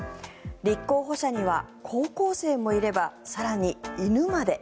立候補者には高校生もいれば更に、犬まで。